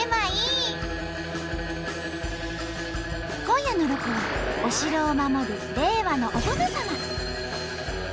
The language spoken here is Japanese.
今夜のロコはお城を守る令和のお殿様。